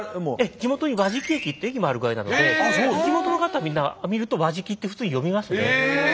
地元に和食駅って駅もあるぐらいなので地元の方はみんな見ると「わじき」って普通に読みますね。